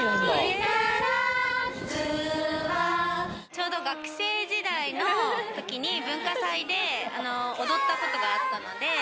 ちょうど学生時代の時に文化祭で踊ったことがあったので。